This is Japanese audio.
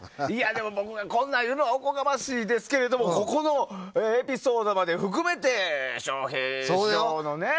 でも、僕もこんなん言うのもおこがましいですけどここのエピソードまで含めて笑瓶師匠の人柄。